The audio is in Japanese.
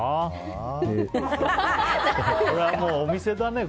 これはもうお店だね。